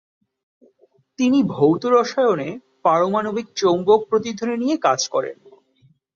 তিনি ভৌত রসায়নে পারমাণবিক চৌম্বক প্রতিধ্বনি নিয়ে কাজ করেন।